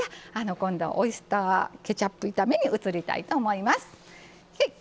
今度は、オイスターケチャップ炒めにいきたいと思います。